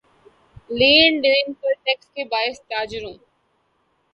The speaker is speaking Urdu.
لین دین پر ٹیکس کے باعث تاجروں